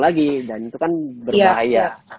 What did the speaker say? lagi dan itu kan berbahaya